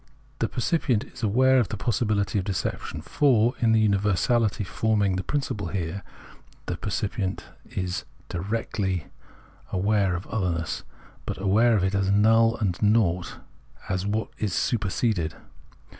The percipient is aware of the possibihty of deception ; for, in the universaHty forming the principle here, the percipient is directly aware of otherness, but aware of it as null and naught, as what is superseded.